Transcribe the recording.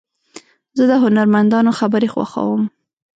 زه د هنرمندانو خبرې خوښوم.